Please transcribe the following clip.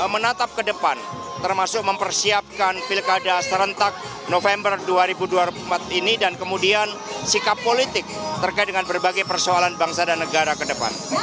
menatap ke depan termasuk mempersiapkan pilkada serentak november dua ribu dua puluh empat ini dan kemudian sikap politik terkait dengan berbagai persoalan bangsa dan negara ke depan